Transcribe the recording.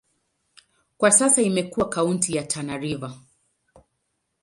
Kwa sasa imekuwa kaunti ya Tana River.